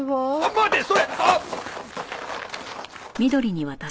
待てそれは！